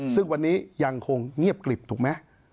ซึ่งวันนี้ยังคงเงียบกลิบถูกไหม